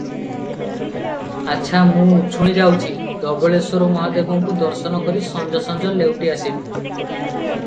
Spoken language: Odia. ଆଚ୍ଛା, ମୁଁ ଉଛୁଣି ଯାଉଛି, ଧବଳେଶ୍ଵର ମହାଦେବଙ୍କୁ ଦର୍ଶନ କରି ସଞ୍ଜ ସଞ୍ଜ ଲେଉଟି ଆସିବି ।